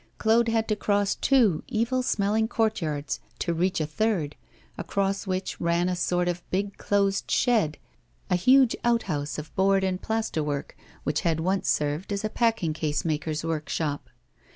Claude had to cross two evil smelling courtyards to reach a third, across which ran a sort of big closed shed, a huge out house of board and plaster work, which had once served as a packing case maker's workshop.